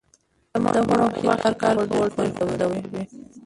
د مڼو په باغ کې کار کول ډیر خوندور وي.